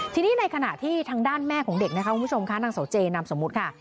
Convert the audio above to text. ทีนี้ในขณะที่ทางด้านแม่ของเด็กสาวเจน้ำสมมติ